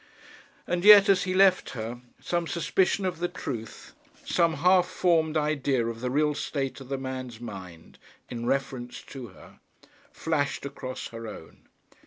And yet as he left her, some suspicion of the truth, some half formed idea of the real state of the man's mind in reference to her, flashed across her own.